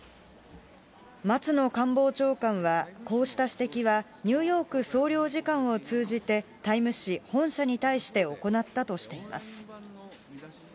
松野官房長官は、こうした指摘は、ニューヨーク総領事館を通じて、タイム誌本社に対して行ったとしています。